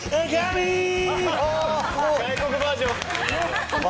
英語バージョン。